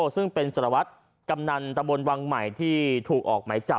ซึ่งเป็นสารวัตรกำนันตะบนวังใหม่ที่ถูกออกไหมจับ